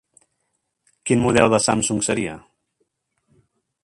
Quin model de Samsung seria?